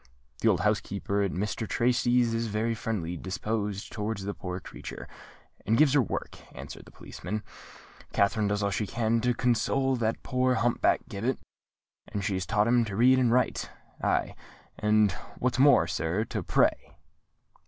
"The old housekeeper at Mr. Tracy's is very friendly disposed towards the poor creature, and gives her work," answered the policeman. "Katherine does all she can to console that poor hump back Gibbet; and she has taught him to read and write—aye, and what's more, sir, to pray."